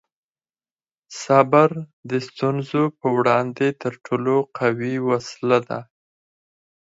صبر د ستونزو په وړاندې تر ټولو قوي وسله ده.